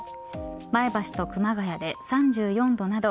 前橋と熊谷で３４度など